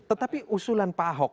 tetapi usulan pak ahok